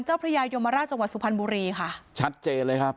เจ้าพระยายโยมราชจังหวัดสุขภัณฑ์บุรีค่ะชัดเจนเลยครับ